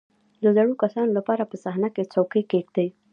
• د زړو کسانو لپاره په صحنه کې څوکۍ کښېږده.